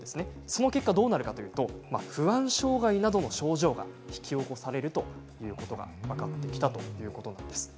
その結果どうなるかといいますと不安障害などの症状が引き起こされるということが分かってきたということなんです。